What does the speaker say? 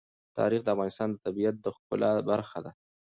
تاریخ د افغانستان د طبیعت د ښکلا برخه ده.